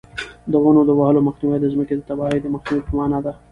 د ونو د وهلو مخنیوی د ځمکې د تباهۍ د مخنیوي په مانا دی.